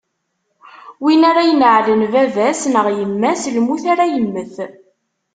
Win ara ineɛlen baba-s neɣ yemma-s, lmut ara yemmet.